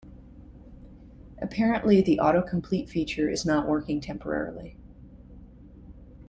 Apparently, the autocomplete feature is not working temporarily.